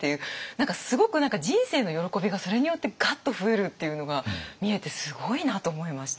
何かすごく人生の喜びがそれによってガッと増えるっていうのが見えてすごいなと思いました。